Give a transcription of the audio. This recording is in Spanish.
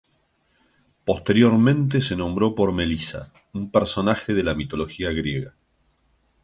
Posteriormente se nombró por Melisa, un personaje de la mitología griega.